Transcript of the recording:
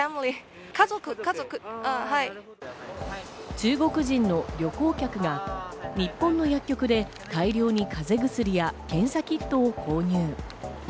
中国人の旅行客が日本の薬局で大量に風邪薬や検査キットを購入。